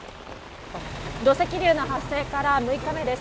土石流の発生から６日目です。